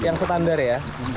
ini yang standar ya